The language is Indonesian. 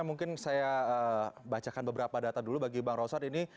mungkin saya bacakan beberapa data dulu bagi bang rosan ini